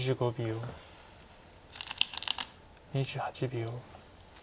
２８秒。